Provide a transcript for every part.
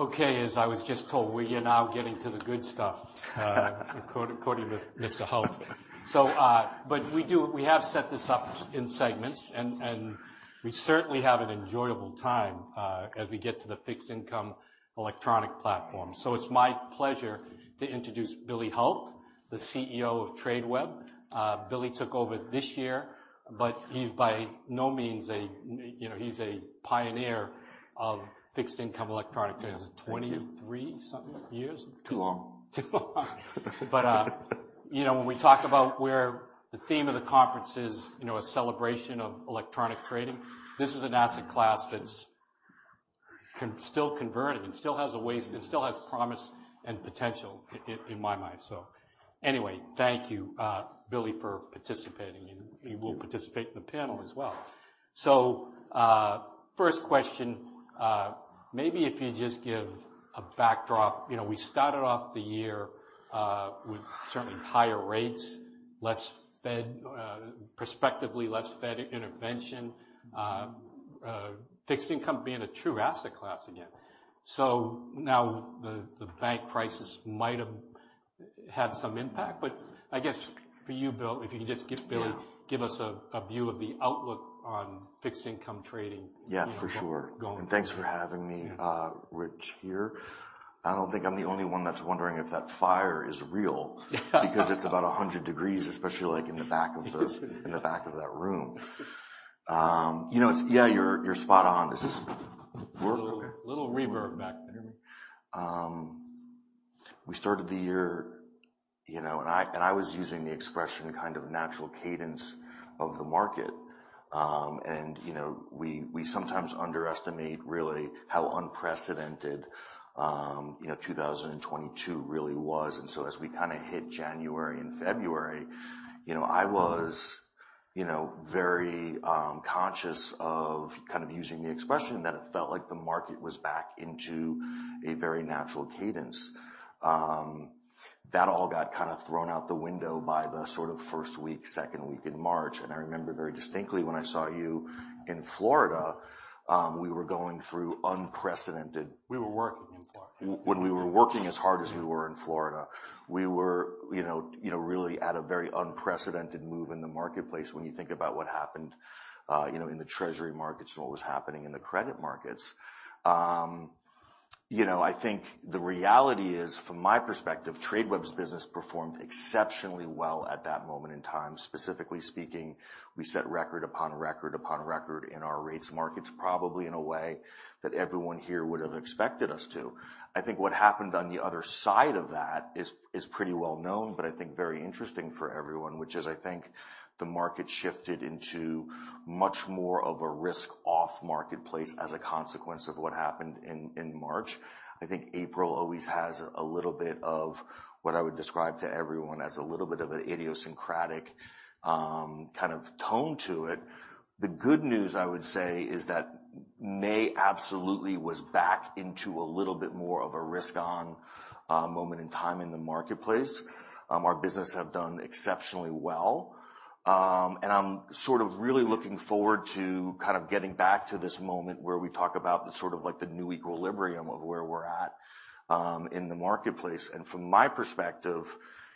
Okay, as I was just told we are now getting to the good stuff according to Mr. Hult. We have set this up in segments and we certainly have an enjoyable time as we get to the fixed income electronic platform. It's my pleasure to introduce Billy Hult, the CEO of Tradeweb. Billy took over this year, but he's by no means a, you know, he's a pioneer of fixed income electronic. Is it 23 something years? Too long. Too long. You know, when we talk about where the theme of the conference is, you know, a celebration of electronic trading, this is an asset class that's still converting and still has a ways and still has promise and potential in my mind. Anyway, thank you, Billy, for participating. Thank you. He will participate in the panel as well. First question, maybe if you just give a backdrop. You know, we started off the year with certainly higher rates, less Fed, perspectively less Fed intervention, fixed income being a true asset class again. Now the bank crisis might have had some impact, but I guess for you Bill, if you can just give- Yeah. Billy, give us a view of the outlook on fixed income trading. Yeah, for sure. Go on. Thanks for having me, Rich, here. I don't think I'm the only one that's wondering if that fire is real. Yeah. It's about 100 degrees, especially like in the back of this, in the back of that room. you know, Yeah, you're spot on. Does this work? A little reverb back there. We started the year, you know, I was using the expression kind of natural cadence of the market. You know, we sometimes underestimate really how unprecedented, you know, 2022 really was. As we kind a hit January and February, you know, I was, you know, very conscious of kind of using the expression that it felt like the market was back into a very natural cadence. That all got kind of thrown out the window by the sort of 1st week, 2nd week in March, I remember very distinctly when I saw you in Florida, we were going through unprecedented- We were working in Florida. When we were working as hard as we were in Florida. We were, you know, really at a very unprecedented move in the marketplace when you think about what happened, you know, in the treasury markets and what was happening in the credit markets. You know, I think the reality is, from my perspective, Tradeweb's business performed exceptionally well at that moment in time. Specifically speaking, we set record upon record upon record in our rates markets, probably in a way that everyone here would have expected us to. I think what happened on the other side of that is pretty well known, but I think very interesting for everyone, which is I think the market shifted into much more of a risk-off marketplace as a consequence of what happened in March. I think April always has a little bit of what I would describe to everyone as a little bit of an idiosyncratic kind of tone to it. The good news, I would say, is that May absolutely was back into a little bit more of a risk-on moment in time in the marketplace. Our business have done exceptionally well. I'm sort of really looking forward to kind of getting back to this moment where we talk about the sort of like the new equilibrium of where we're at in the marketplace. From my perspective,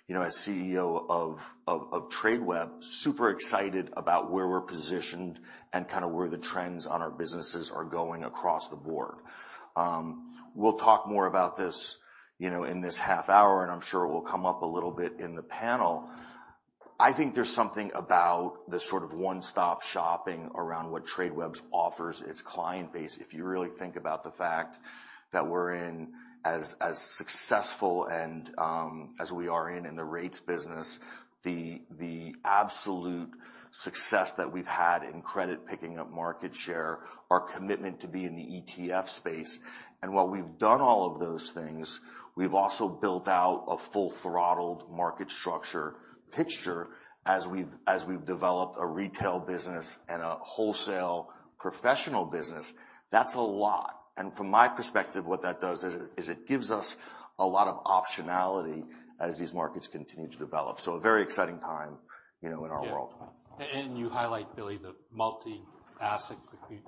you know, as CEO of Tradeweb super excited about where we're positioned and kind of where the trends on our businesses are going across the board. We'll talk more about this, you know, in this half hour. I'm sure it will come up a little bit in the panel. I think there's something about the sort of one-stop shopping around what Tradeweb offers its client base. If you really think about the fact that we're in as successful and as we are in the rates business, the absolute success that we've had in credit, picking up market share, our commitment to be in the ETF space, and while we've done all of those things, we've also built out a full-throttled market structure picture, as we've developed a retail business and a wholesale professional business. That's a lot. From my perspective, what that does is it gives us a lot of optionality as these markets continue to develop. A very exciting time, you know, in our world. Yeah. You highlight, Billy, the multi-asset,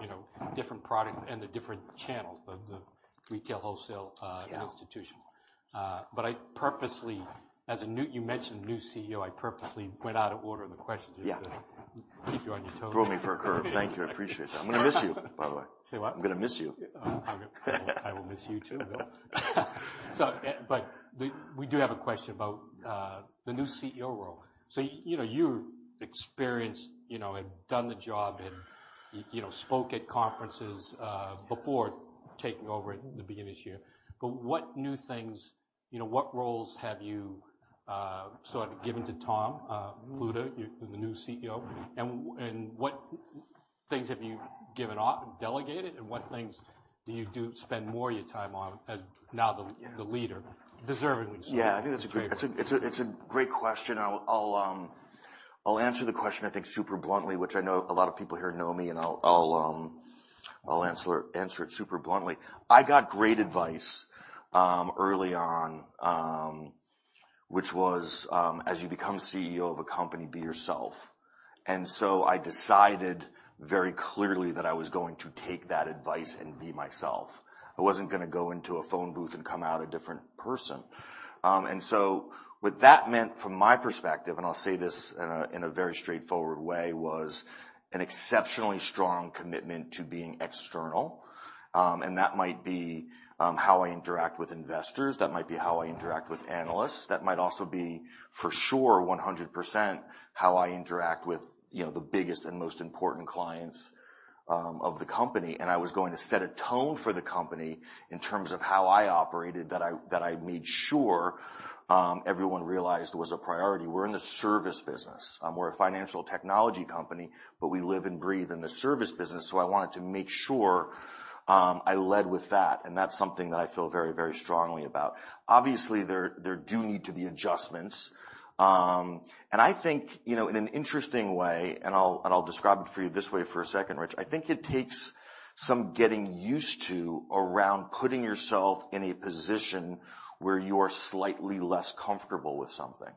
you know, different product and the different channels, the retail, wholesale. Yeah... institutional. I purposely, as you mentioned, new CEO, I purposely went out of order of the question- Yeah Just to keep you on your toes. Threw me for a curve. Thank you. I appreciate that. I'm gonna miss you, by the way. Say what? I'm gonna miss you. I will miss you too, Bill. We do have a question about the new CEO role. You know, you're experienced, you know, and done the job and, you know, spoke at conferences before taking over at the beginning of this year. What new things, you know, what roles have you sort of given to Tom Pluta the new CEO? What things have you given off, delegated, and what things do you spend more of your time on as now? Yeah the leader, deservingly so. Yeah, I think that's a great-It's a great question. I'll answer the question, I think, super bluntly, which I know a lot of people here know me, and I'll answer it super bluntly. I got great advice, early on.... which was, as you become CEO of a company, be yourself. I decided very clearly that I was going to take that advice and be myself. I wasn't gonna go into a phone booth and come out a different person. What that meant from my perspective, and I'll say this in a, in a very straightforward way, was an exceptionally strong commitment to being external. That might be how I interact with investors, that might be how I interact with analysts, that might also be, for sure, 100%, how I interact with, you know, the biggest and most important clients of the company. I was going to set a tone for the company in terms of how I operated, that I made sure everyone realized was a priority. We're in the service business. We're a financial technology company, but we live and breathe in the service business, so I wanted to make sure I led with that, and that's something that I feel very, very strongly about. Obviously, there do need to be adjustments. I think, you know, in an interesting way, I'll describe it for you this way for a second, Rich, I think it takes some getting used to around putting yourself in a position where you are slightly less comfortable with something.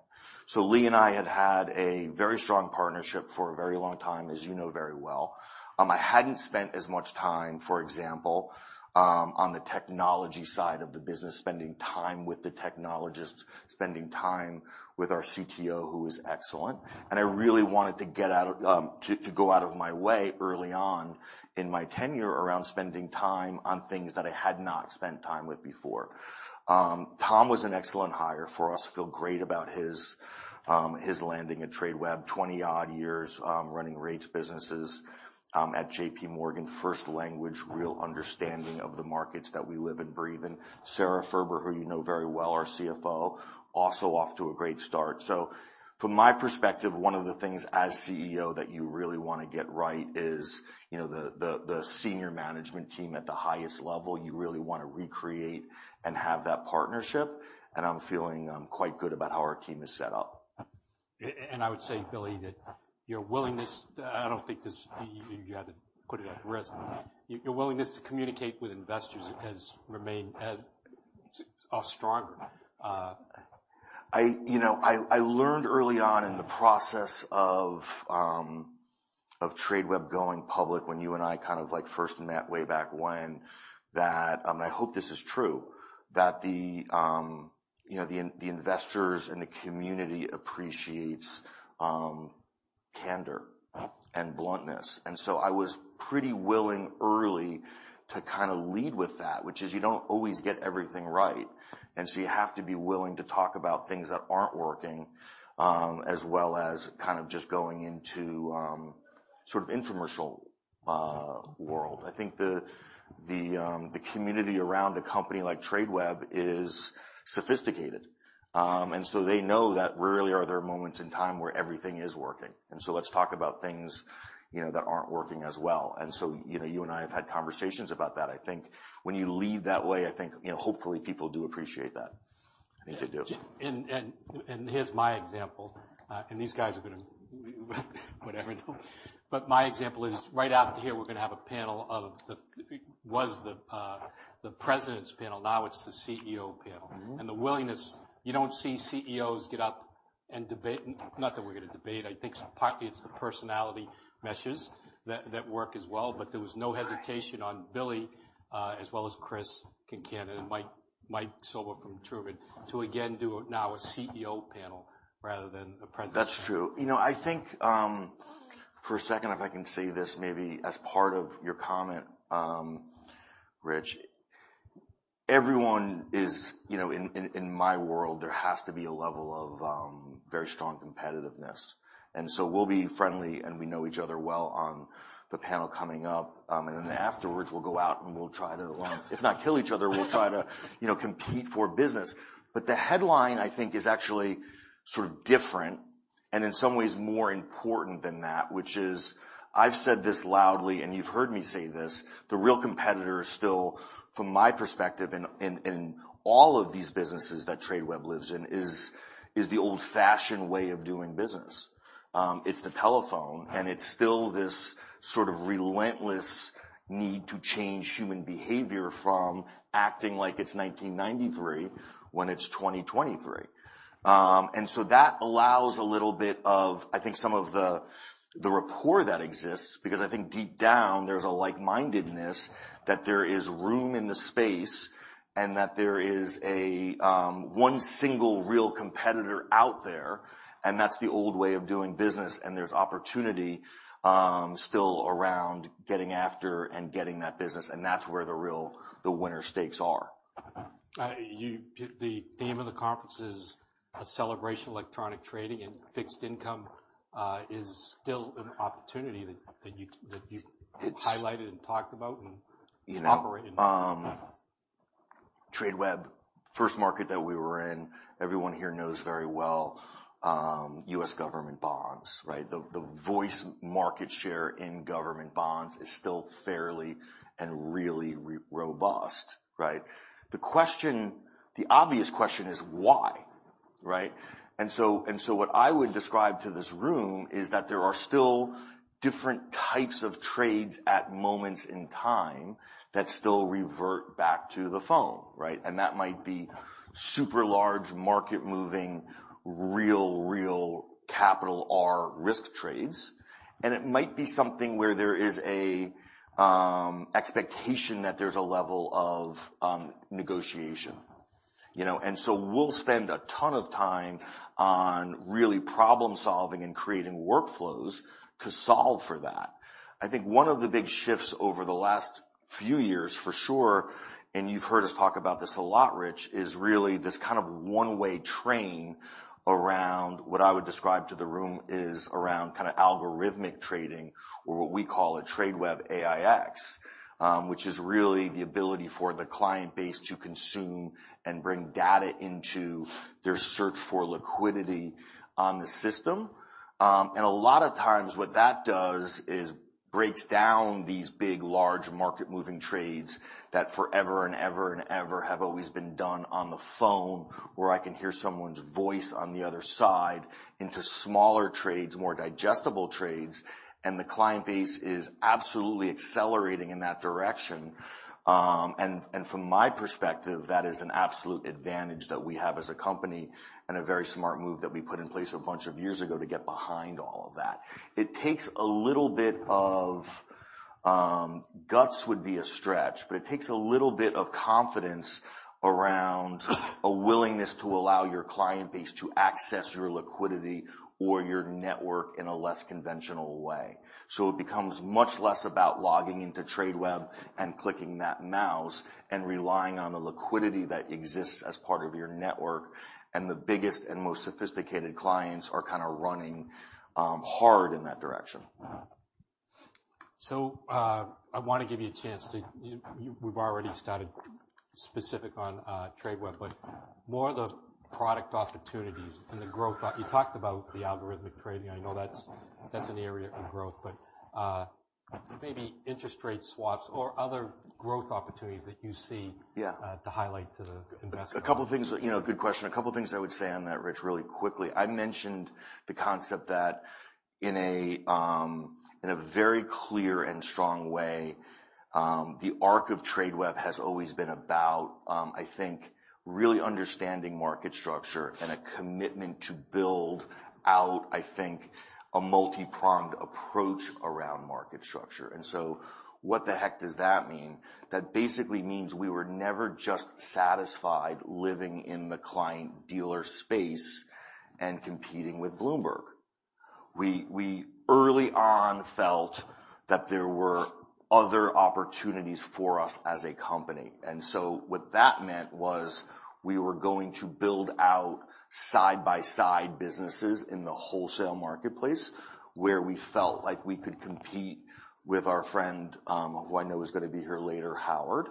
Lee and I had had a very strong partnership for a very long time, as you know very well. I hadn't spent as much time, for example, on the technology side of the business, spending time with the technologists, spending time with our CTO, who is excellent. I really wanted to get out of my way early on in my tenure around spending time on things that I had not spent time with before. Tom was an excellent hire for us. I feel great about his landing at Tradeweb 20-odd years, running rates businesses at J.P. Morgan first language, real understanding of the markets that we live and breathe in. Sara Furber, who you know very well, our CFO, also off to a great start. From my perspective, one of the things as CEO that you really want to get right is, you know, the senior management team at the highest level, you really want to recreate and have that partnership and I'm feeling quite good about how our team is set up. I would say, Billy, that your willingness I don't think this, you had to put it at risk. Your willingness to communicate with investors has remained at stronger. I, you know, I learned early on in the process of Tradeweb going public, when you and I kind of, like, first met way back when, that, and I hope this is true, that the, you know, the investors and the community appreciates candor and bluntness. I was pretty willing early to kind a lead with that, which is you don't always get everything right, and so you have to be willing to talk about things that aren't working, as well as kind of just going into sort of infomercial world. I think the, the community around a company like Tradeweb is sophisticated. They know that rarely are there moments in time where everything is working, and so let's talk about things, you know, that aren't working as well. You know, you and I have had conversations about that. I think when you lead that way, I think, you know, hopefully, people do appreciate that. I think they do. Here's my example, and these guys are gonna whatever. My example is, right out here, we're gonna have a panel of was the Presidents' panel now it's the CEO panel. Mm-hmm. You don't see CEOs get up and debate, not that we're gonna debate. I think partly it's the personality meshes that work as well. There was no hesitation on Billy, as well as Chris Concannon and Mike Sobel from Trumid, to again do now a CEO panel rather than a president. That's true. You know, I think, for a second, if I can say this maybe as part of your comment, Rich, everyone is, you know, in my world, there has to be a level of very strong competitiveness. We'll be friendly, and we know each other well on the panel coming up. Afterwards, we'll go out and we'll try to, if not kill each other we'll try to, you know, compete for business. The headline, I think, is actually sort of different, and in some ways more important than that, which is. I've said this loudly, and you've heard me say this, the real competitor is still, from my perspective, in all of these businesses that Tradeweb lives in, is the old-fashioned way of doing business. It's the telephone, and it's still this sort of relentless need to change human behavior from acting like it's 1993 when it's 2023. That allows a little bit of, I think, some of the rapport that exists, because I think deep down, there's a like-mindedness that there is room in the space, and that there is a, one single real competitor out there, and that's the old way of doing business, and there's opportunity still around getting after and getting that business and that's where the real, the winner stakes are. The theme of the conference is a celebration of electronic trading and fixed income is still an opportunity that you. It's- -highlighted and talked about and- You know. -operated. Tradeweb, first market that we were in, everyone here knows very well US government bonds, right? The voice market share in government bonds is still fairly and really robust, right? The question, the obvious question is why, right? What I would describe to this room is that there are still different types of trades at moments in time that still revert back to the phone right? That might be super large market-moving, real capital R risk trades. It might be something where there is a expectation that there's a level of negotiation, you know? We'll spend a ton of time on really problem-solving and creating workflows to solve for that. I think one of the big shifts over the last few years, for sure, and you've heard us talk about this a lot, Rich, is really this kind of one-way train around what I would describe to the room is around kind of algorithmic trading or what we call a Tradeweb AiEX. Which is really the ability for the client base to consume and bring data into their search for liquidity on the system. A lot of times what that does is breaks down these big large market-moving trades that forever and ever have always been done on the phone where I can hear someone's voice on the other side into smaller trades more digestible trades and the client base is absolutely accelerating in that direction. From my perspective, that is an absolute advantage that we have as a company and a very smart move that we put in place a bunch of years ago to get behind all of that. It takes a little bit of guts would be a stretch, but it takes a little bit of confidence around a willingness to allow your client base to access your liquidity or your network in a less conventional way. It becomes much less about logging into Tradeweb and clicking that mouse and relying on the liquidity that exists as part of your network, and the biggest and most sophisticated clients are kind a running hard in that direction. I want to give you a chance to we've already started specific on Tradeweb, but more the product opportunities and the growth. You talked about the algorithmic trading I know that's an area of growth but maybe interest rate swaps or other growth opportunities that you see? Yeah. To highlight to the investment. A couple of things, you know, good question. A couple of things I would say on that, Rich, really quickly. I mentioned the concept that in a very clear and strong way the arc of Tradeweb has always been about, I think, really understanding market structure and a commitment to build out, I think, a multipronged approach around market structure. What the heck does that mean? That basically means we were never just satisfied living in the client-dealer space and competing with Bloomberg. We early on felt that there were other opportunities for us as a company, what that meant was we were going to build out side-by-side businesses in the wholesale marketplace, where we felt like we could compete with our friend who I know is gonna be here later, Howard.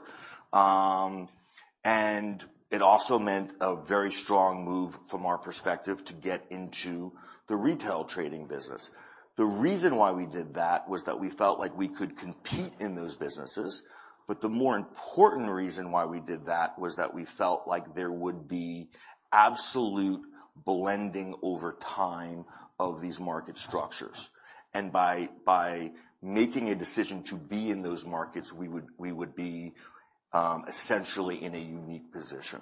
It also meant a very strong move from our perspective, to get into the retail trading business. The reason why we did that was that we felt like we could compete in those businesses but the more important reason why we did that was that we felt like there would be absolute blending over time of these market structures. By making a decision to be in those markets, we would be essentially in a unique position.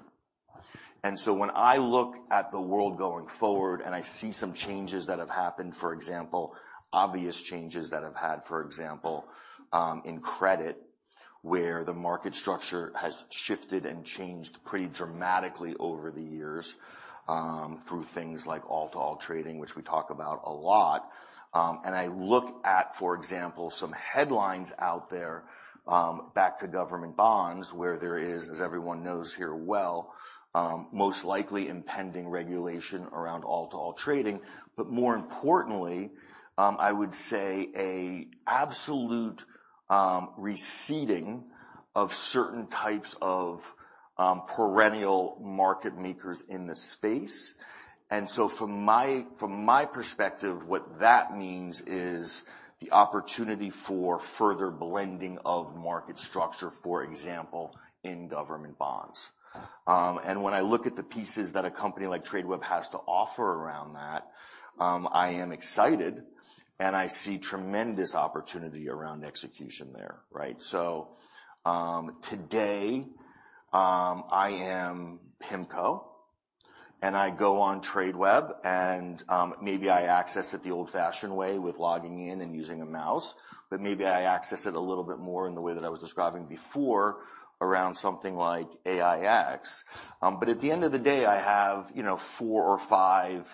When I look at the world going forward, and I see some changes that have happened for example, obvious changes that I've had, for example, in credit, where the market structure has shifted and changed pretty dramatically over the years, through things like all-to-all trading, which we talk about a lot. I look at for example some headlines out there back to government bonds where there is as everyone knows here well, most likely impending regulation around all-to-all trading, but more importantly, I would say a absolute receding of certain types of perennial market makers in the space. From my, from my perspective, what that means is the opportunity for further blending of market structure, for example, in government bonds. When I look at the pieces that a company like Tradeweb has to offer around that, I am excited, and I see tremendous opportunity around execution there, right? Today, I am PIMCO and I go on Tradeweb, and maybe I access it the old-fashioned way with logging in and using a mouse but maybe I access it a little bit more in the way that I was describing before around something like AiEX. At the end of the day I have, you know, four or five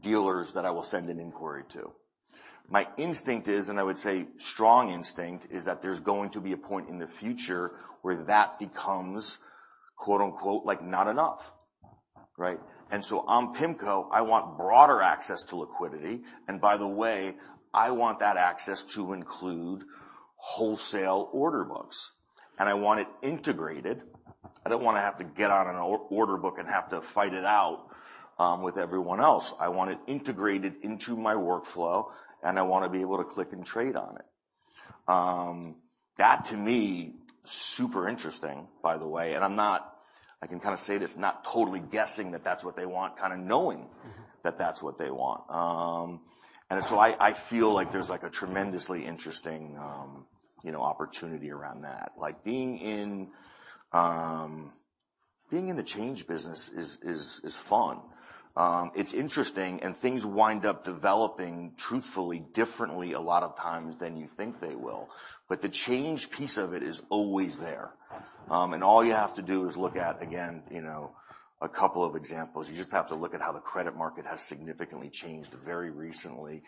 dealers that I will send an inquiry to. My instinct is, and I would say strong instinct is that there's going to be a point in the future where that becomes, quote, unquote, like, not enough. Right? On PIMCO, I want broader access to liquidity. And by the way I want that access to include wholesale order books and I want it integrated. I don't want to have to get on an order book and have to fight it out with everyone else. I want it integrated into my workflow, and I want to be able to click and trade on it. That to me super interesting by the way, and I'm not I can kind of say this not totally guessing that that's what they want kind of knowing that that's what they want. I feel like there's, like, a tremendously interesting, you know, opportunity around that. Like, being in, being in the change business is fun. It's interesting, and things wind up developing truthfully, differently, a lot of times than you think they will. The change piece of it is always there. All you have to do is look at again, you know, a couple of examples. You just have to look at how the credit market has significantly changed very recently.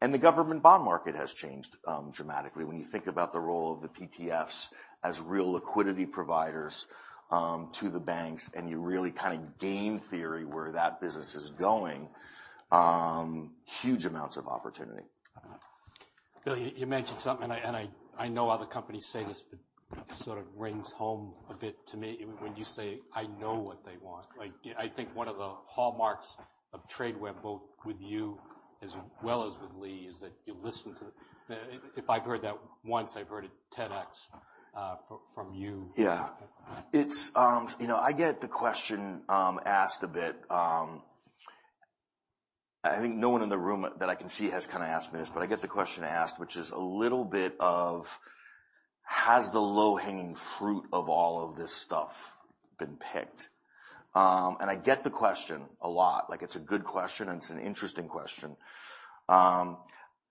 And the government bond market has changed, dramatically. When you think about the role of the PTFs as real liquidity providers, to the banks, and you really kind of game theory where that business is going huge amounts of opportunity. Bill, you mentioned something. I know other companies say this, sort of rings home a bit to me when you say I know what they want. Like, I think one of the hallmarks of Tradeweb, both with you as well as with Lee, is that you listen to, if I've heard that once, I've heard it ten X from you. Yeah. It's, you know, I get the question asked a bit. I think no one in the room that I can see has kind of asked me this, but I get the question asked, which is a little bit of: Has the low-hanging fruit of all of this stuff been picked? I get the question a lot. It's a good question, and it's an interesting question.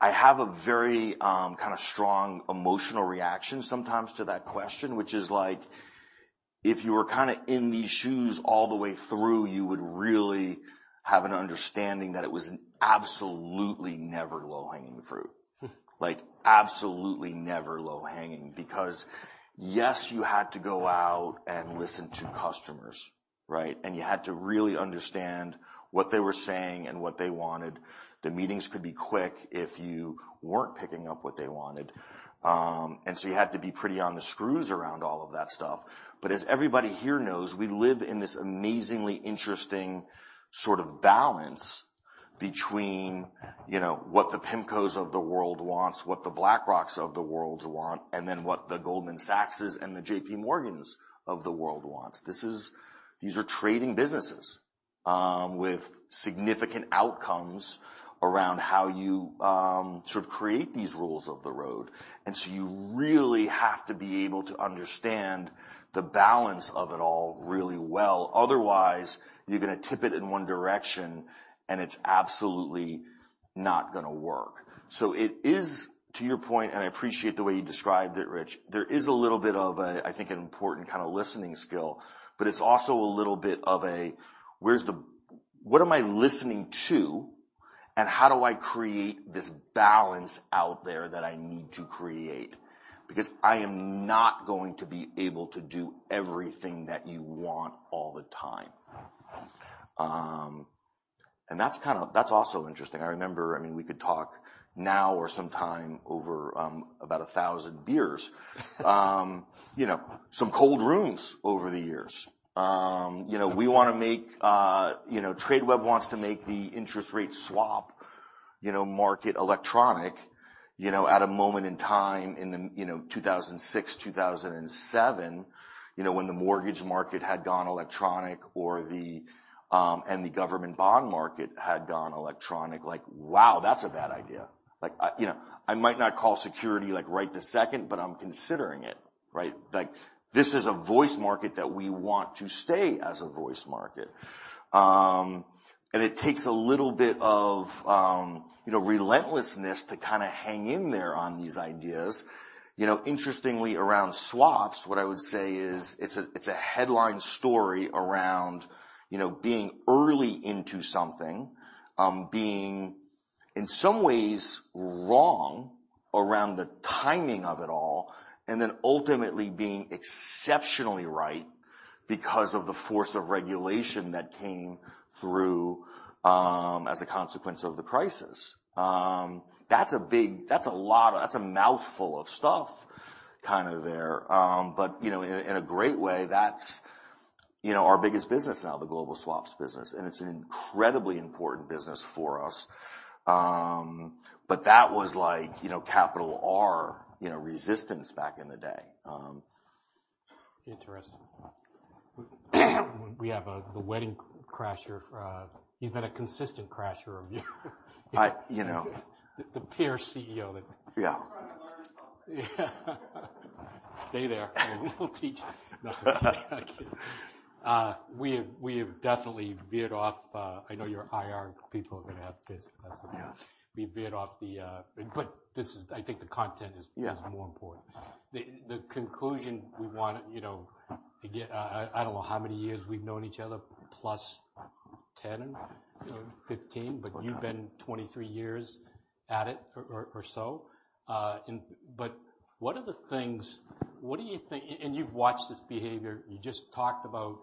I have a very kind of strong emotional reaction sometimes to that question, which is like, if you were kind of in these shoes all the way through, you would really have an understanding that it was absolutely never low-hanging fruit. Like, absolutely never low-hanging because yes you had to go out and listen to customers, right? You had to really understand what they were saying and what they wanted. The meetings could be quick if you weren't picking up what they wanted. You had to be pretty on the screws around all of that stuff. As everybody here knows, we live in this amazingly interesting sort of balance between, you know, what the PIMCOs of the world wants, what the BlackRocks of the world want, what the Goldman Sachses and the J.P. Morgans of the world wants. These are trading businesses with significant outcomes around how you sort of create these rules of the road. You really have to be able to understand the balance of it all really well. Otherwise, you're going to tip it in one direction and it's absolutely not going to work. It is to your point and I appreciate the way you described it, Rich, there is a little bit of a I think an important kind of listening skill, but it's also a little bit of a where's the what am I listening to and how do I create this balance out there that I need to create? Because I am not going to be able to do everything that you want all the time. That's kind of... That's also interesting. I remember, I mean, we could talk now or sometime over, about 1,000 beers. You know, some cold rooms over the years. You know, we want to make. You know, Tradeweb wants to make the interest rate swap, you know, market electronic, you know, at a moment in time in the, you know, 2006, 2007, you know, when the mortgage market had gone electronic or the, and the government bond market had gone electronic. Like, wow, that's a bad idea. Like, I, you know, I might not call security like, right this second, but I'm considering it, right? Like, this is a voice market that we want to stay as a voice market. It takes a little bit of, you know, relentlessness to kind of hang in there on these ideas. You know, interestingly, around swaps what I would say is, it's a, it's a headline story around, you know, being early into something being in some ways wrong around the timing of it all, ultimately being exceptionally right because of the force of regulation that came through, as a consequence of the crisis. That's a big... That's a mouthful of stuff, kind of there. You know, in a great way, that's, you know, our biggest business now, the global swaps business, and it's an incredibly important business for us. That was like, you know, capital R, you know, resistance back in the day. Interesting. We have, the wedding crasher. He's been a consistent crasher of you. I, you know. The peer CEO. Yeah. Learn something. Yeah. Stay there, we'll teach you. No, I'm kidding. We have definitely veered off. I know your IR people are going to have this. Yeah. We veered off the... This is, I think the content is... Yeah more important. The conclusion we want to, you know, get, I don't know how many years we've known each other, plus 10, 15? Yeah. You've been 23 years at it or so. What are the things? What do you think? You've watched this behavior. You just talked about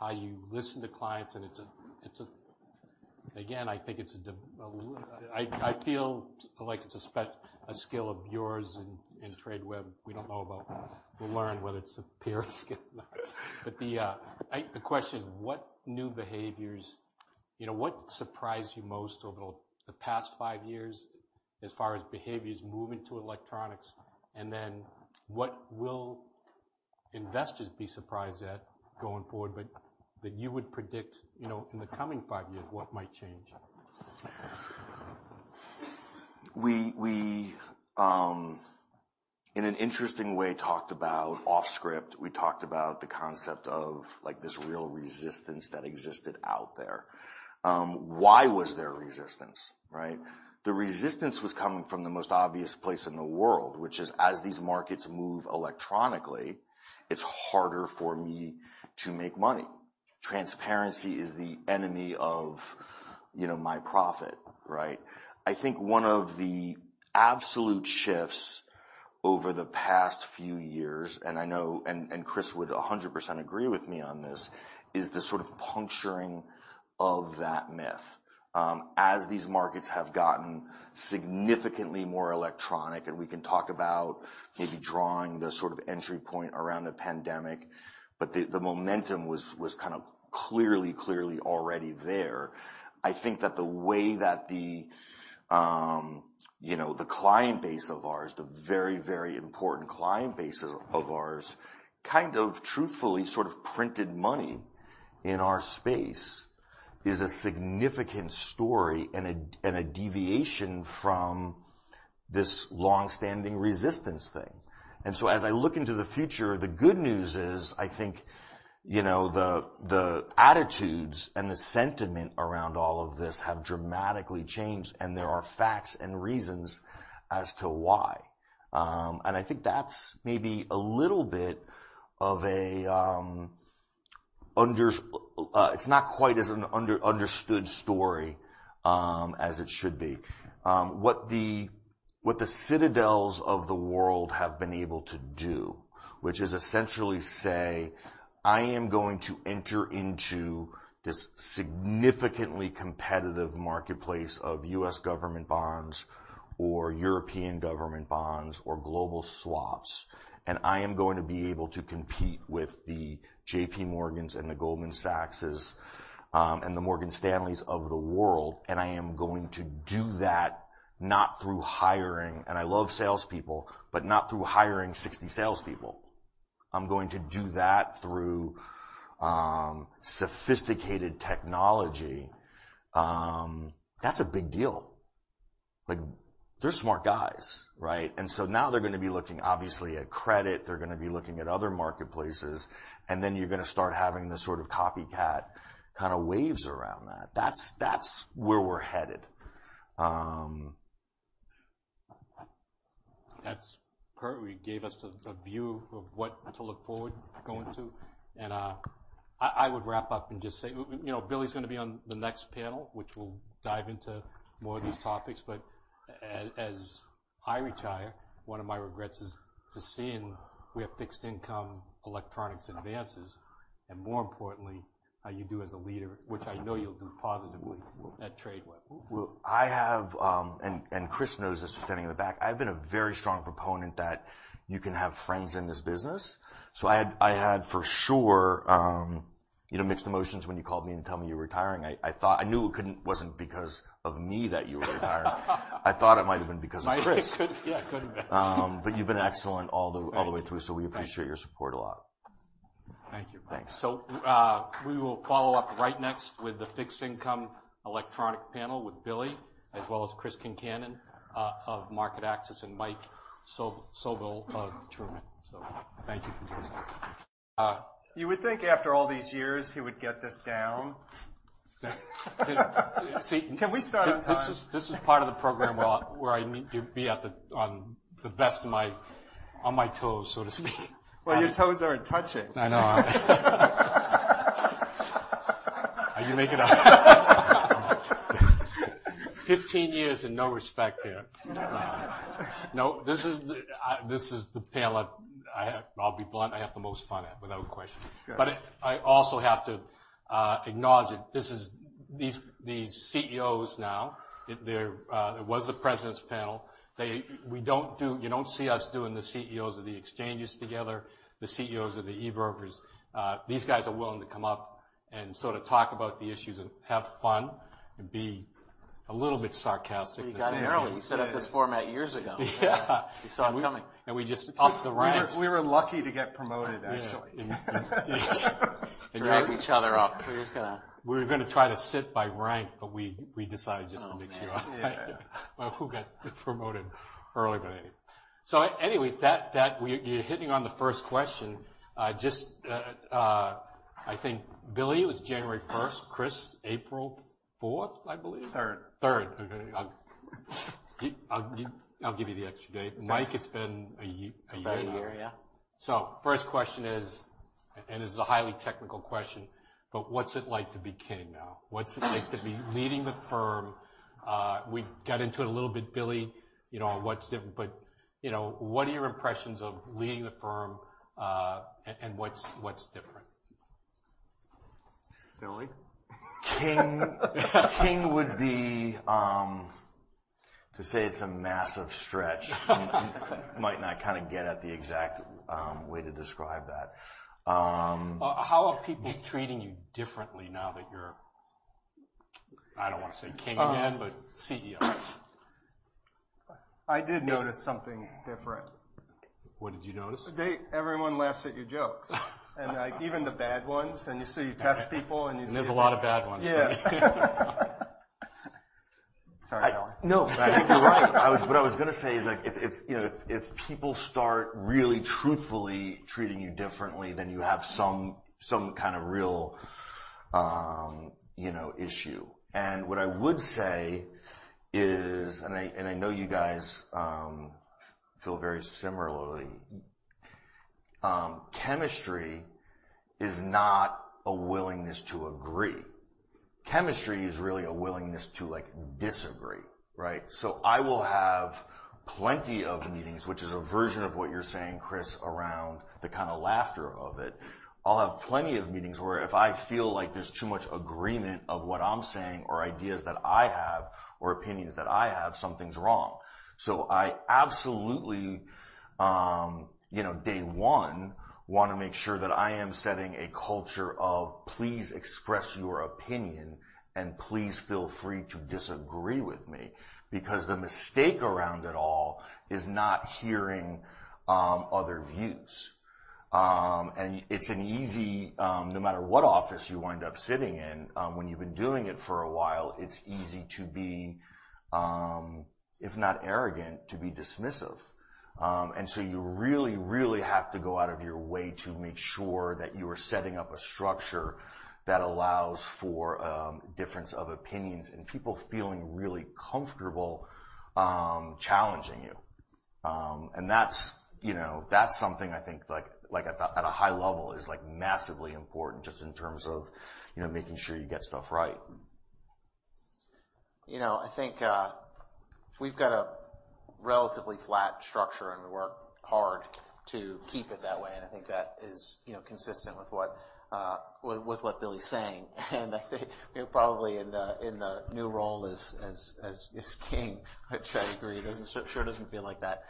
how you listen to clients, and it's a again, I think it's a skill of yours in Tradeweb. We don't know about, we'll learn whether it's a peer skill or not. The question, what new behaviors? You know, what surprised you most over the past five years as far as behaviors moving to electronics? What will investors be surprised at going forward, but that you would predict, you know, in the coming five years, what might change? We, in an interesting way talked about off script. We talked about the concept of, like, this real resistance that existed out there. Why was there resistance, right? The resistance was coming from the most obvious place in the world, which is, as these markets move electronically, it's harder for me to make money. Transparency is the enemy of, you know, my profit, right? I think one of the absolute shifts over the past few years, and Chris would 100% agree with me on this, is the sort of puncturing of that myth. As these markets have gotten significantly more electronic, and we can talk about maybe drawing the sort of entry point around the pandemic, the momentum was kind of clearly already there. I think that the way that the, you know, the client base of ours the very very important client base of ours, kind of truthfully sort of printed money in our space, is a significant story and a, and a deviation from this long-standing resistance thing. As I look into the future, the good news is, I think, you know, the attitudes and the sentiment around all of this have dramatically changed and there are facts and reasons as to why. I think that's maybe a little bit of a, it's not quite as an understood story, as it should be. What the Citadels of the world have been able to do which is essentially say, I am going to enter into this significantly competitive marketplace of US government bonds, or European government bonds, or global swaps. I am going to be able to compete with the J.P. Morgans, and the Goldman Sachses, and the Morgan Stanleys of the world. I am going to do that not through hiring and I love salespeople, but not through hiring 60 sales people. I'm going to do that through sophisticated technology. That's a big deal. Like, they're smart guys, right? Now they're gonna be looking, obviously, at credit. They're gonna be looking at other marketplaces, then you're gonna start having the sort of copycat kind of waves around that. That's, that's where we're headed. That's perfect. You gave us a view of what to look forward going to. I would wrap up and just say, you know, Billy's gonna be on the next panel, which will dive into more of these topics. As I retire, one of my regrets is to seeing we have fixed income electronics advances and more importantly how you do as a leader, which I know you'll do positively at Tradeweb. I have Chris knows this, standing in the back. I've been a very strong proponent that you can have friends in this business. I had for sure, you know, mixed emotions when you called me and tell me you were retiring. I thought I knew it couldn't wasn't because of me that you were retiring. I thought it might have been because of Chris. It could, yeah, it could have been. You've been excellent. Thank you. ...all the way through, so we appreciate- Thank you. your support a lot. Thank you. Thanks. We will follow up right next with the fixed income electronic panel, with Billy, as well as Chris Concannon, of MarketAxess, and Mike Sobel of Trumid. Thank you for joining us. You would think after all these years, he would get this down. Can we start on time? This is part of the program where I need to be on my toes, so to speak. Well your toes aren't touching. I know. You make it up. 15 years and no respect here. No, this is the panel I'll be blunt, I have the most fun at without question. Good. I also have to acknowledge that These CEOs now, it was the presidents' panel. You don't see us doing the CEOs of the exchanges together, the CEOs of the e-brokers. These guys are willing to come up and sort of talk about the issues and have fun and be a little bit sarcastic. You got in early. You set up this format years ago. Yeah. We saw it coming. We just up the ranks. We were lucky to get promoted, actually. Yeah. Drag each other up. We're just. We were gonna try to sit by rank, but we decided just to mix you up. Yeah. Who got promoted early, but anyway. That... you're hitting on the first question. Just, I think Billy, it was January first; Chris, April fourth, I believe? Third. Third. Okay, I'll give you the extra day. Mike, it's been a year. About a year, yeah. First question is, and this is a highly technical question but what's it like to be king now? What's it like to be leading the firm? We got into it a little bit, Billy, you know what's different? You know, what are your impressions of leading the firm and what's different? Billy? King would be. To say it's a massive stretch might not kind a get at the exact way to describe that. How are people treating you differently now that you're, I don't wanna say king again but CEO? I did notice something different. What did you notice? Everyone laughs at your jokes. Like, even the bad ones, and you see, you test people, and you see. There's a lot of bad ones. Yeah. Sorry, Billy. I think you're right. What I was gonna say is, like, if, you know, if people start really truthfully treating you differently, then you have some kind of real, you know, issue. What I would say is, I know you guys feel very similarly. Chemistry is not a willingness to agree. Chemistry is really a willingness to, like, disagree, right? I will have plenty of meetings, which is a version of what you're saying, Chris, around the kind of laughter of it. I'll have plenty of meetings where if I feel like there's too much agreement of what I'm saying, or ideas that I have, or opinions that I have, something's wrong. I absolutely, you know, day one, wanna make sure that I am setting a culture of, Please express your opinion, and please feel free to disagree with me. The mistake around it all is not hearing other views. It's an easy... No matter what office you wind up sitting in when you've been doing it for a while it's easy to be if not arrogant, to be dismissive. You really have to go out of your way to make sure that you are setting up a structure that allows for difference of opinions and people feeling really comfortable challenging you. That's, you know, that's something I think like, at a, at a high level, is, like, massively important, just in terms of, you know, making sure you get stuff right. You know, I think, we've got a relatively flat structure, and we work hard to keep it that way, and I think that is, you know, consistent with what Billy's saying. I think, you know, probably in the new role as king, which I agree, doesn't feel like that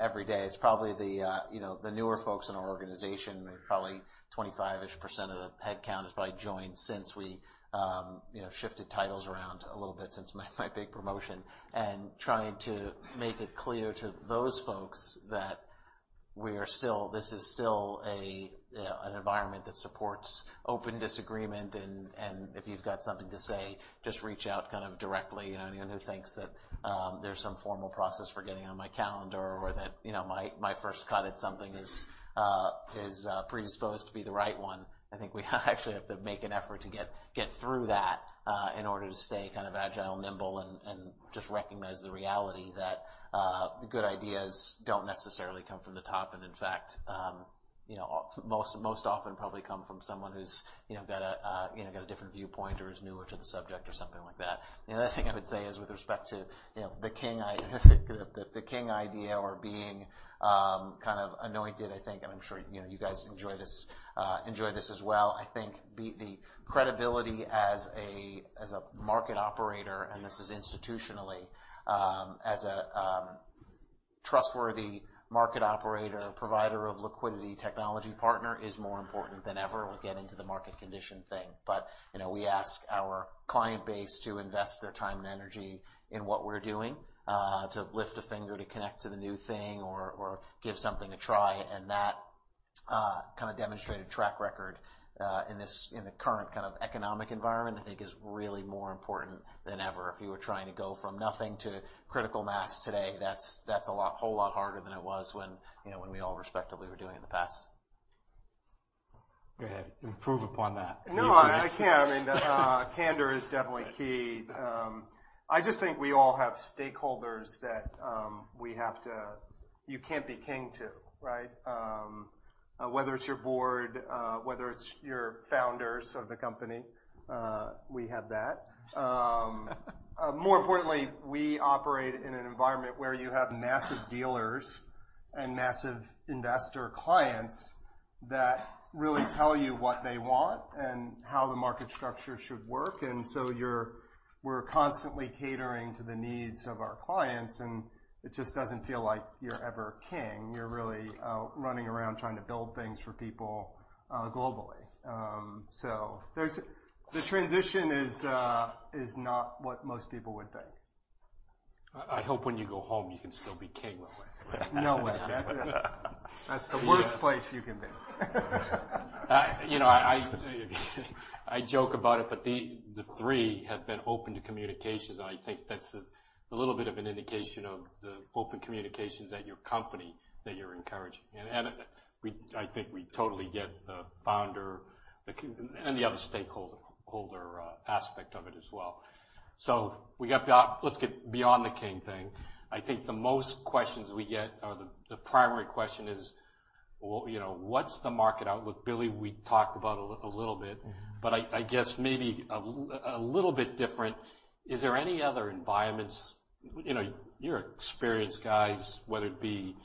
every day. It's probably the, you know, the newer folks in our organization, maybe probably 25-ish% of the headcount has probably joined since we, you know, shifted titles around a little bit since my big promotion, trying to make it clear to those folks that this is still a an environment that supports open disagreement, and if you've got something to say, just reach out kind of directly. You know, anyone who thinks that, there's some formal process for getting on my calendar or that, you know, my first cut at something is predisposed to be the right one, I think we actually have to make an effort to get through that in order to stay kind of agile, nimble, and just recognize the reality that the good ideas don't necessarily come from the top, and in fact, you know, most often probably come from someone who's, you know, got a different viewpoint or is newer to the subject or something like that. The other thing I would say is with respect to, you know, the king idea, the king idea or being kind of anointed, I think, and I'm sure, you know, you guys enjoy this as well. I think the credibility as a market operator, and this is institutionally, as a trustworthy market operator, provider of liquidity, technology partner, is more important than ever. We'll get into the market condition thing. You know, we ask our client base to invest their time and energy in what we're doing to lift a finger to connect to the new thing or give something a try, and that kind of demonstrated track record in the current kind of economic environment, I think is really more important than ever. If you were trying to go from nothing to critical mass today that's a lot whole lot harder than it was when, you know, when we all respectively were doing it in the past. Go ahead. Improve upon that. No, I can't. I mean, the candor is definitely key. I just think we all have stakeholders that we have to. You can't be king to, right? Whether it's your board, whether it's your founders of the company, we have that. More importantly, we operate in an environment where you have massive dealers and massive investor clients that really tell you what they want and how the market structure should work, and so we're constantly catering to the needs of our clients, and it just doesn't feel like you're ever king. You're really running around trying to build things for people globally. The transition is not what most people would think. I hope when you go home, you can still be king. No way. That's... That's the worst place you can be. You know, I joke about it, but the three have been open to communications, I think that's a little bit of an indication of the open communications at your company that you're encouraging. I think we totally get the founder, and the other stakeholder aspect of it as well. Let's get beyond the king thing. I think the most questions we get, or the primary question is: Well, you know, what's the market outlook? Billy, we talked about a little bit. Mm-hmm. I guess maybe a little bit different, is there any other environments? You know, you're experienced guys, whether it be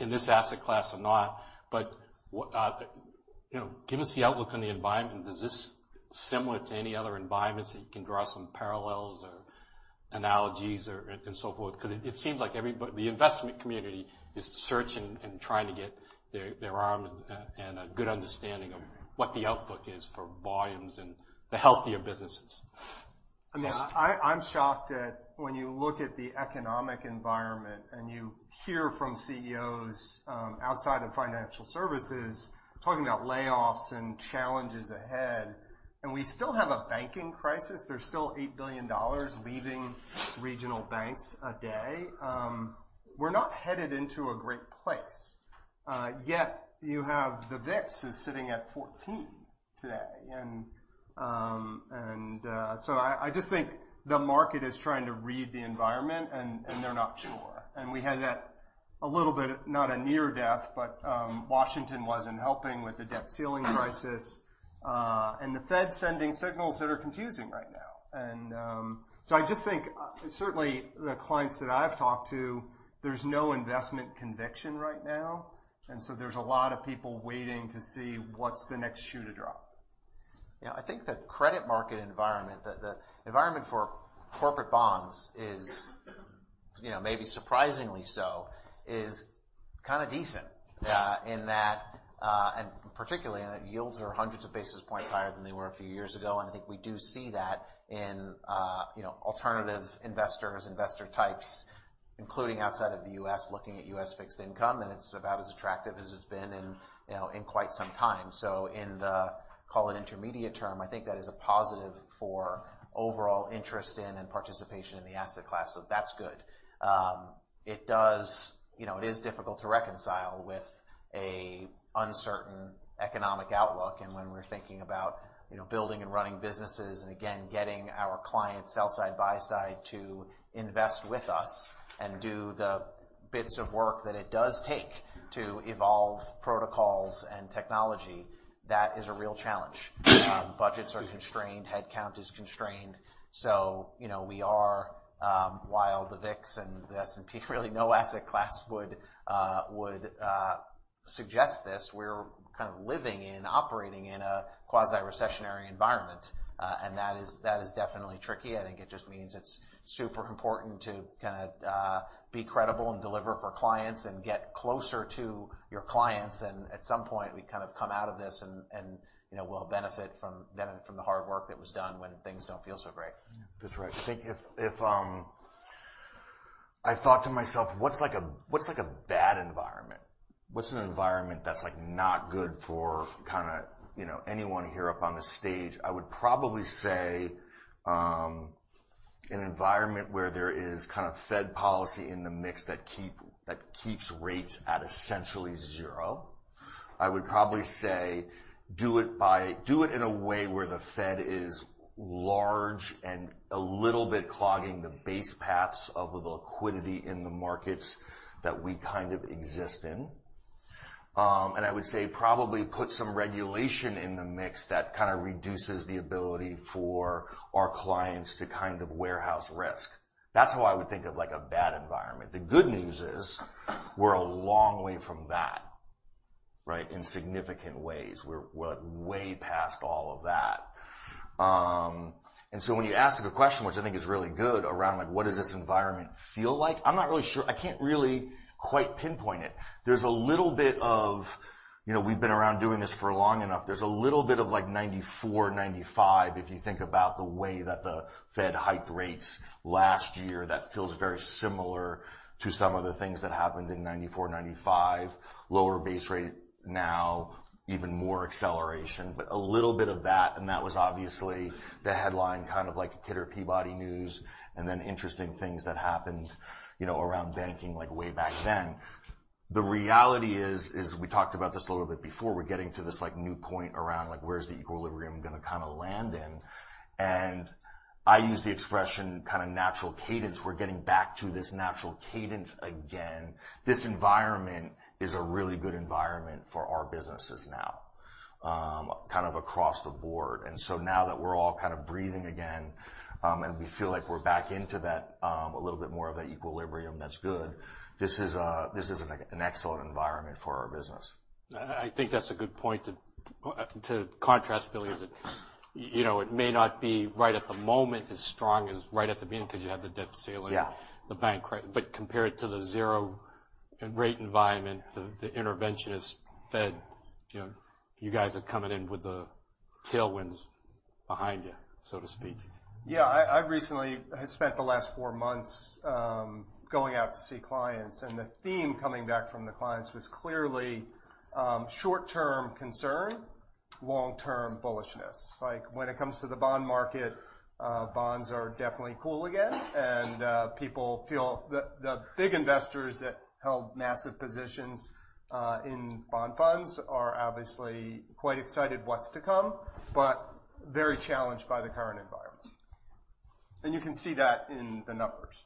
in this asset class or not, what, you know, give us the outlook on the environment. Is this similar to any other environments that you can draw some parallels or analogies or, and so forth? Because it seems like everybody, the investment community is searching and trying to get their arm and a good understanding of what the outlook is for volumes and the healthier businesses. I mean, I'm shocked at when you look at the economic environment and you hear from CEOs, outside of financial services, talking about layoffs and challenges ahead, and we still have a banking crisis. There's still $8 billion leaving regional banks a day. We're not headed into a great place. Yet you have the VIX is sitting at 14 today. So I just think the market is trying to read the environment, and they're not sure. We had that a little bit, not a near death, but Washington wasn't helping with the debt ceiling crisis, and the Fed's sending signals that are confusing right now. I just think, certainly, the clients that I've talked to, there's no investment conviction right now. There's a lot of people waiting to see what's the next shoe to drop. Yeah, I think the credit market environment, the environment for corporate bonds is, you know, maybe surprisingly so, is kind a decent in that, particularly, yields are hundreds of basis points higher than they were a few years ago. I think we do see that in, you know, alternative investors, investor types including outside of the US, looking at US fixed income and it's about as attractive as it's been in, you know, in quite some time. In the, call it intermediate term, I think that is a positive for overall interest in and participation in the asset class. That's good. You know, it is difficult to reconcile with a uncertain economic outlook. When we're thinking about, you know, building and running businesses, and again, getting our clients sell side by side to invest with us and do the bits of work that it does take to evolve protocols and technology, that is a real challenge. Budgets are constrained headcount is constrained. You know, we are, while the VIX and the S&P, really, no asset class would suggest this, we're kind of living in, operating in a quasi-recessionary environment. That is definitely tricky. I think it just means it's super important to kind a be credible and deliver for clients and get closer to your clients. At some point, we kind of come out of this and, you know, we'll benefit from the hard work that was done when things don't feel so great. That's right. I think if, I thought to myself: What's like a, what's like a bad environment? What's an environment that's, like, not good for kind a, you know, anyone here up on the stage? I would probably say, an environment where there is kind of Fed policy in the mix that keeps rates at essentially 0. I would probably say, do it in a way where the Fed is large and a little bit clogging the base paths of the liquidity in the markets that we kind of exist in. I would say, probably put some regulation in the mix that kind a reduces the ability for our clients to kind of warehouse risk. That's how I would think of, like, a bad environment. The good news is, we're a long way from that, right? In significant ways, we're way past all of that. When you ask a good question, which I think is really good, around, like, what does this environment feel like? I'm not really sure. I can't really quite pinpoint it. There's a little bit of. You know, we've been around doing this for long enough. There's a little bit of, like, 1994, 1995, if you think about the way that the Fed hiked rates last year, that feels very similar to some of the things that happened in 1994, 1995. Lower base rate now even more acceleration, a little bit of that, and that was obviously the headline, kind of like Kidder Peabody news, and then interesting things that happened, you know, around banking, like, way back then. The reality is, we talked about this a little bit before, we're getting to this, like, new point around, like, where's the equilibrium gonna kind a land in? I use the expression, kind of natural cadence. We're getting back to this natural cadence again. This environment is a really good environment for our businesses now, kind of across the board. Now that we're all kind of breathing again, and we feel like we're back into that, a little bit more of that equilibrium, that's good. This is an excellent environment for our business. I think that's a good point to contrast, Billy, is that, you know, it may not be right at the moment, as strong as right at the beginning because you have the debt ceiling. Yeah. -the bank rate. Compare it to the zero rate environment, the interventionist Fed, you know, you guys are coming in with the tailwinds behind you, so to speak. Yeah, I've recently spent the last four months going out to see clients. The theme coming back from the clients was clearly short-term concern, long-term bullishness. Like, when it comes to the bond market, bonds are definitely cool again. People feel the big investors that held massive positions in bond funds are obviously quite excited what's to come but very challenged by the current environment. You can see that in the numbers.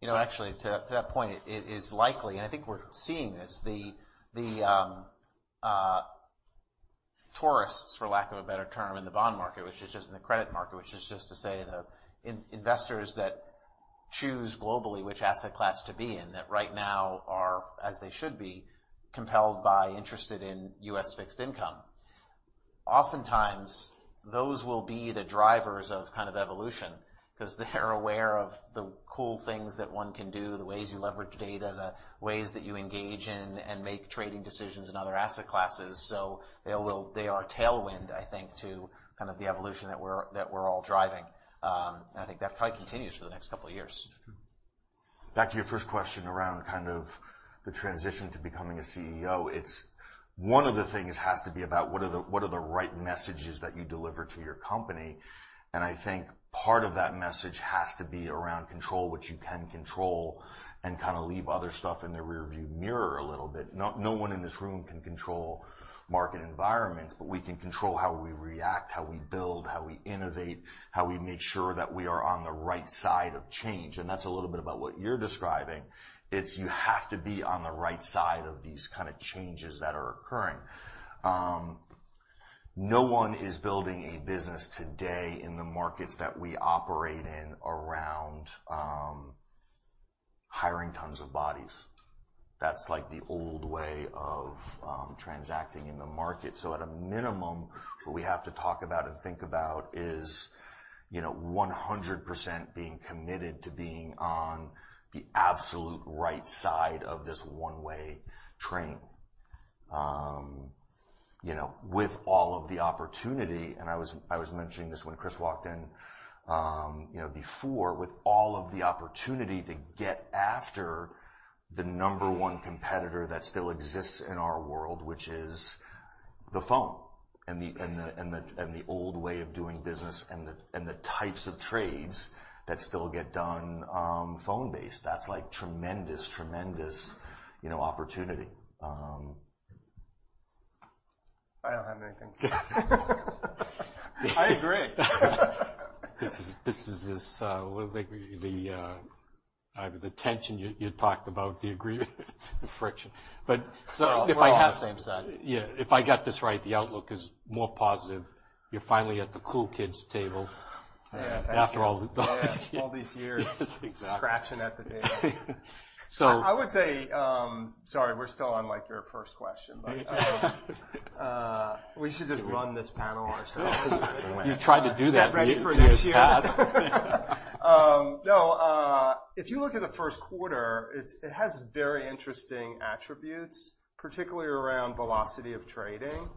You know, actually, to that point, it is likely, and I think we're seeing this the tourists for lack of a better term in the bond market, which is just in the credit market, which is just to say the investors that choose globally which asset class to be in, that right now are, as they should be, compelled by interested in US fixed income. Oftentimes, those will be the drivers of kind of evolution because they are aware of the cool things that one can do the ways you leverage data, the ways that you engage in and make trading decisions in other asset classes. They are a tailwind, I think, to kind of the evolution that we're all driving. I think that probably continues for the next couple of years. Back to your first question around kind of the transition to becoming a CEO. It's one of the things has to be about what are the right messages that you deliver to your company. I think part of that message has to be around control, what you can control, and kind of leave other stuff in the rearview mirror a little bit. No one in this room can control market environments. We can control how we react, how we build, how we innovate, how we make sure that we are on the right side of change. That's a little bit about what you're describing. It's you have to be on the right side of these kind of changes that are occurring. No one is building a business today in the markets that we operate in around hiring tons of bodies. That's like the old way of transacting in the market. At a minimum what we have to talk about and think about is, you know, 100% being committed to being on the absolute right side of this one-way train. You know, with all of the opportunity, and I was mentioning this when Chris walked in, you know, before, with all of the opportunity to get after the number one competitor that still exists in our world, which is the phone and the old way of doing business and the types of trades that still get done, phone-based. That's like tremendous, you know, opportunity. I don't have anything. I agree. This is, well, like the tension you talked about, the agreement, the friction. We're all on the same side. Yeah. If I got this right, the outlook is more positive. You're finally at the cool kids table- Yeah. -after all the- All these years. Exactly. -scratching at the table. So- I would say, Sorry, we're still on, like, your first question. We should just run this panel ourselves. You've tried to do that in the past. Get ready for next year. No, if you look at the Q1, it has very interesting attributes, particularly around velocity of trading.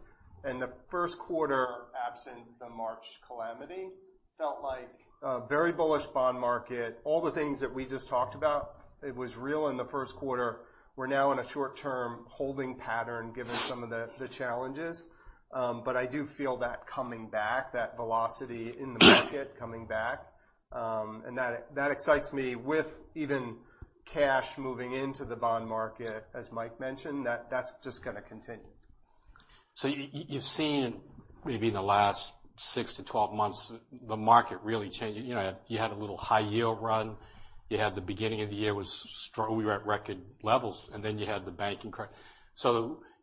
The Q1, absent the March calamity, felt like a very bullish bond market. All the things that we just talked about, it was real in the Q1. We're now in a short-term holding pattern, given some of the challenges. I do feel that coming back that velocity in the market coming back. That excites me with even cash moving into the bond market, as Mike mentioned, that's just going to continue. You've seen, maybe in the last six to 12 months, the market really change. You know, you had a little high yield run. You had the beginning of the year was strong. We were at record levels, and then you had the banking crisis.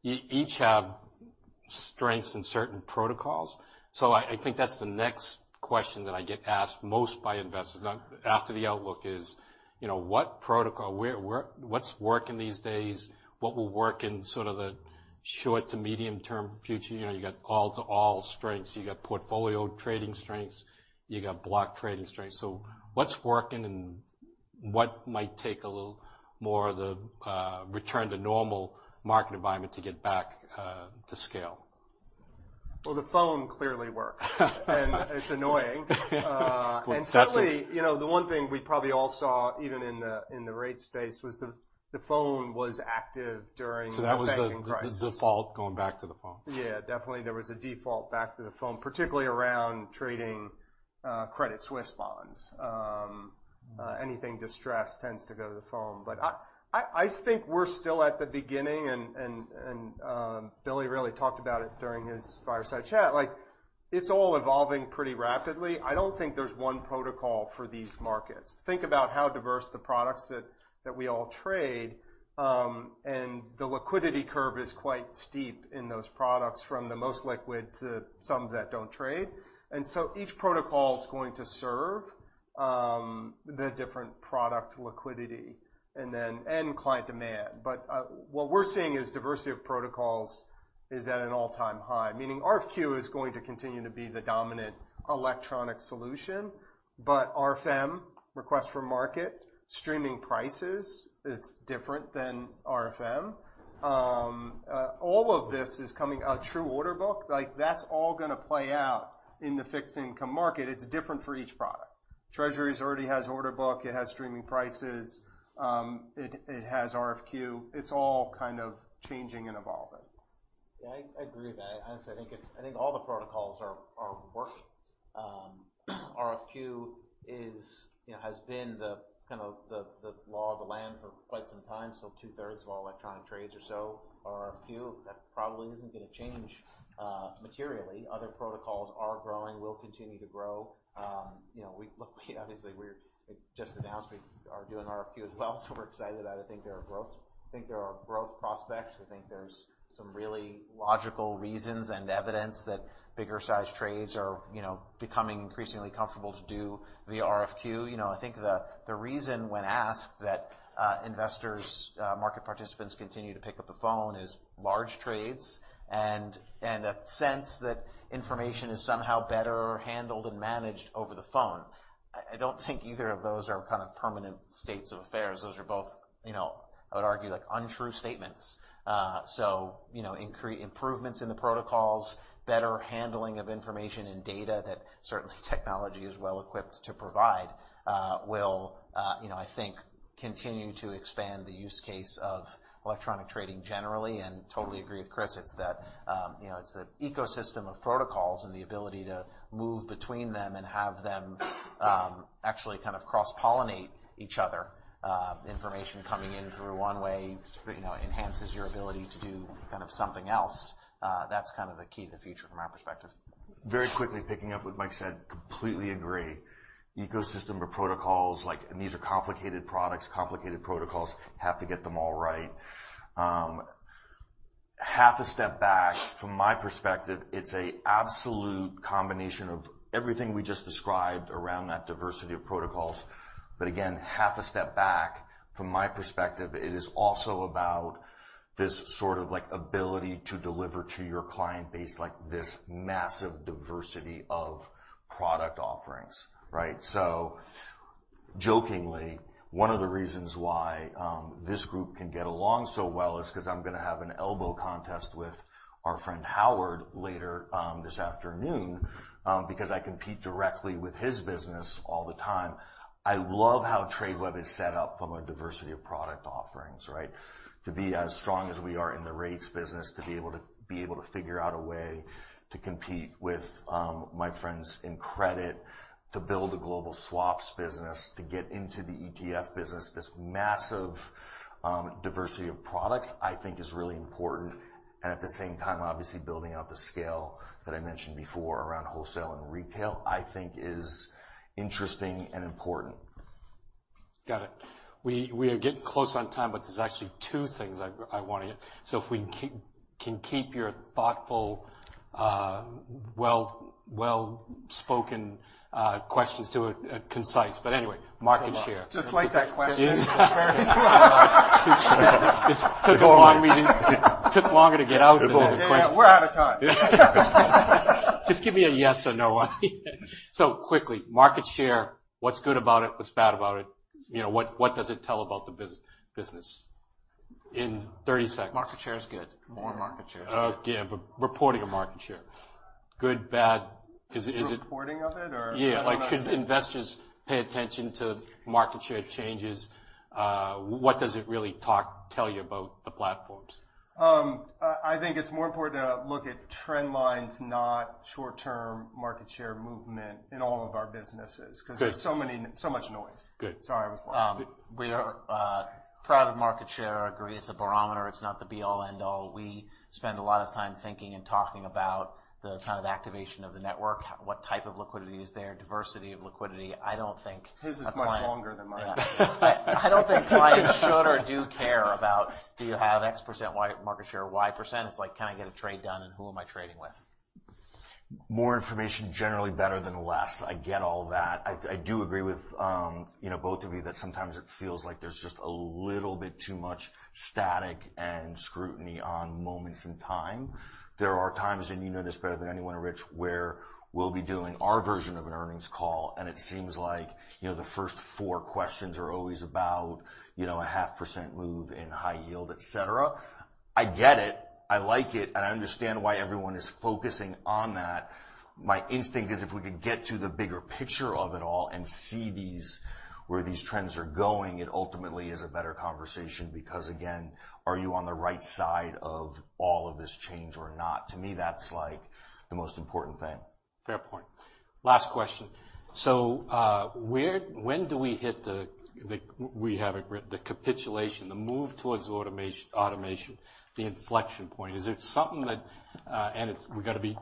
You each have strengths and certain protocols. I think that's the next question that I get asked most by investors, after the outlook is, you know, what protocol, what's working these days? What will work in sort of the short to medium term future? You know, you got all-to-all strengths. You got portfolio trading strengths you got block trading strengths. What's working and what might take a little more of the return to normal market environment to get back to scale? Well, the phone clearly works. It's annoying. Well. Certainly, you know, the one thing we probably all saw even in the, in the rate space, was the phone was active during the banking crisis. That was the default, going back to the phone. Yeah, definitely. There was a default back to the phone, particularly around trading Credit Suisse bonds. Anything distressed tends to go to the phone. I think we're still at the beginning and Billy really talked about it during his fireside chat. Like, it's all evolving pretty rapidly. I don't think there's one protocol for these markets. Think about how diverse the products that we all trade and the liquidity curve is quite steep in those products from the most liquid to some that don't trade. So each protocol is going to serve the different product liquidity and then end client demand. What we're seeing is diversity of protocols is at an all-time high, meaning RFQ is going to continue to be the dominant electronic solution, but RFM, request for market, streaming prices, it's different than RFM. All of this is coming a true order book, like, that's all gonna play out in the fixed income market. It's different for each product. Treasuries already has order book, it has streaming prices, it has RFQ. It's all kind of changing and evolving. Yeah, I agree with that. Honestly, I think all the protocols are working. RFQ is, you know, has been the kind of the law of the land for quite some time. Two-thirds of all electronic trades or so are RFQ. That probably isn't gonna change materially. Other protocols are growing, will continue to grow. You know, look, obviously, we're just announced we are doing RFQ as well, so we're excited about it. I think there are growth prospects. I think there's some really logical reasons and evidence that bigger-sized trades are, you know, becoming increasingly comfortable to do via RFQ. You know, I think the reason when asked that, investors, market participants continue to pick up the phone is large trades and a sense that information is somehow better handled and managed over the phone. I don't think either of those are kind of permanent states of affairs. Those are both, you know, I would argue, like, untrue statements. You know, improvements in the protocols, better handling of information and data that certainly technology is well equipped to provide, will, you know, I think, continue to expand the use case of electronic trading generally. Totally agree with Chris. It's that, you know, it's the ecosystem of protocols and the ability to move between them and have them, actually kind of cross-pollinate each other. Information coming in through one way, you know, enhances your ability to do kind of something else. That's kind of the key to the future from our perspective. Very quickly, picking up what Mike said, completely agree. Ecosystem of protocols, like, these are complicated products, complicated protocols. Have to get them all right. Half a step back, from my perspective, it's a absolute combination of everything we just described around that diversity of protocols. Again, half a step back, from my perspective, it is also about this sort of, like, ability to deliver to your client base, like, this massive diversity of product offerings, right? Jokingly, one of the reasons why this group can get along so well is because I'm gonna have an elbow contest with our friend, Howard, later this afternoon, because I compete directly with his business all the time. I love how Tradeweb is set up from a diversity of product offerings, right? To be as strong as we are in the rates business, to be able to figure out a way to compete with my friends in credit, to build a global swaps business, to get into the ETF business. This massive diversity of products, I think, is really important. At the same time, obviously, building out the scale that I mentioned before around wholesale and retail, I think is interesting and important. Got it. We are getting close on time, but there's actually two things I want to get... If we can keep your thoughtful, well-spoken questions to a concise, but anyway, market share. Just like that question. It took a long meeting. It took longer to get out than the question. Yeah, we're out of time. Just give me a yes or no. Quickly, market share, what's good about it? What's bad about it? You know, what does it tell about the business, in 30 seconds? Market share is good. More market share is good. Yeah, reporting of market share, good, bad? Is it? Reporting of it or- Yeah. You know what I mean. Like, should investors pay attention to market share changes? What does it really tell you about the platforms? I think it's more important to look at trend lines, not short-term market share movement in all of our businesses. Good. There's so many, so much noise. Good. Sorry, I was loud. We are proud of market share. I agree, it's a barometer. It's not the be-all, end-all. We spend a lot of time thinking and talking about the kind of activation of the network, what type of liquidity is there, diversity of liquidity. I don't think. His is much longer than mine. I don't think clients should or do care about, do you have X%, Y market share, Y%? It's like, can I get a trade done, and who am I trading with? More information, generally better than less. I get all that. I do agree with, you know, both of you that sometimes it feels like there's just a little bit too much static and scrutiny on moments in time. There are times, and you know this better than anyone, Rich, where we'll be doing our version of an earnings call, and it seems like, you know, the first four questions are always about, you know, a half percent move in high yield, et cetera. I get it. I like it, and I understand why everyone is focusing on that. My instinct is if we could get to the bigger picture of it all and see where these trends are going, it ultimately is a better conversation because, again, are you on the right side of all of this change or not? To me, that's, like, the most important thing. Fair point. Last question. when do we hit the, we have it, the capitulation, the move towards automation, the inflection point? Is it something that... we've got to be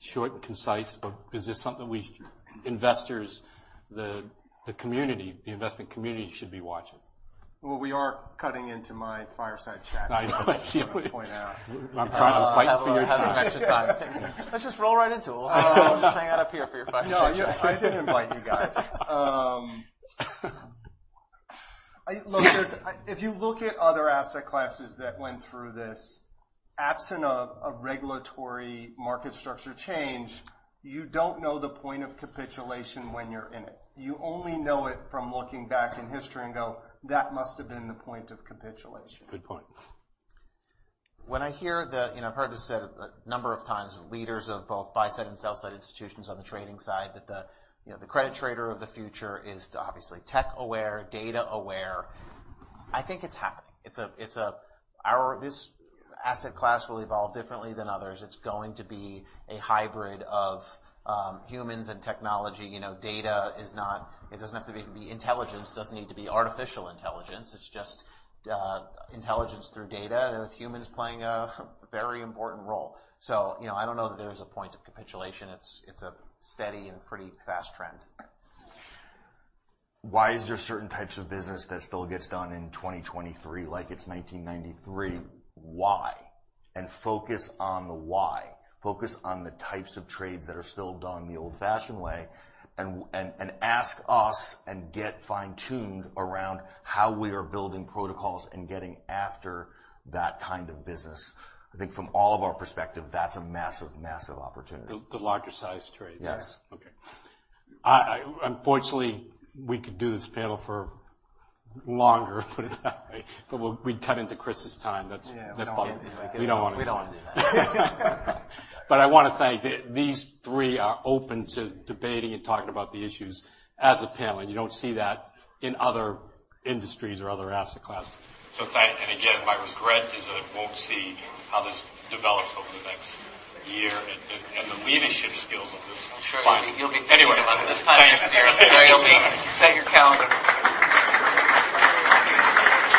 short and concise, but is this something we, investors, the community, the investment community should be watching? Well, we are cutting into my fireside chat. I know. I just want to point out. I'm trying to fight for your time. Let's just roll right into it. Just hang out up here for your fireside chat. No, I did invite you guys. Look, If you look at other asset classes that went through this, absent of a regulatory market structure change, you don't know the point of capitulation when you're in it. You only know it from looking back in history and go, "That must have been the point of capitulation. Good point. You know, I've heard this said a number of times, leaders of both buy side and sell side institutions on the trading side, that the, you know, the credit trader of the future is obviously tech-aware, data-aware. I think it's happening. This asset class will evolve differently than others. It's going to be a hybrid of humans and technology. You know, intelligence doesn't need to be artificial intelligence. It's just intelligence through data, with humans playing a very important role. You know, I don't know that there is a point of capitulation. It's a steady and pretty fast trend. Why is there certain types of business that still gets done in 2023 like it's 1993? Why? Focus on the why. Focus on the types of trades that are still done the old-fashioned way, and ask us and get fine-tuned around how we are building protocols and getting after that kind of business. I think from all of our perspective, that's a massive opportunity. The larger sized trades? Yes. Okay. Unfortunately, we could do this panel for longer, put it that way, but we'd cut into Chris's time. That's. Yeah. That's probably- We don't want to do that. We don't want to do that. I want to thank. These three are open to debating and talking about the issues as a panel, you don't see that in other industries or other asset classes. Thank you. Again, my regret is that I won't see how this develops over the next year and the leadership skills of this. I'm sure you'll be- This time next year, you'll be... Set your calendar.